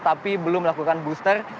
tapi belum melakukan booster